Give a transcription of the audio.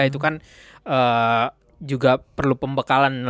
itu kan juga perlu pembekalan